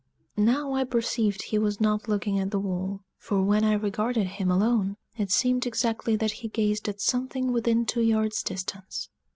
Now I perceived he was not looking at the wall; for when I regarded him alone, it seemed exactly that he gazed at something within two yards' distance.